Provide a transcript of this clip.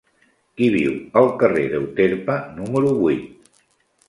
Qui viu al carrer d'Euterpe número vuit?